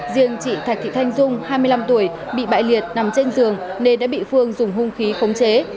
riêng chị thạch thị thanh dung hai mươi năm tuổi bị bại liệt nằm trên giường nên đã bị phương dùng hung khí khống chế